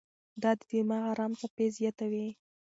دا د دماغ ارام څپې زیاتوي.